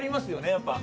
やっぱ。